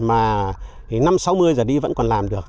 mà năm sáu mươi giờ đi vẫn còn làm được